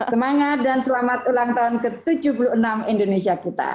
semangat dan selamat ulang tahun ke tujuh puluh enam indonesia kita